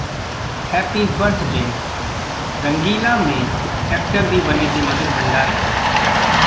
Happy Birthday: 'Rangeela' में actor भी बने थे मधुर भंडारकर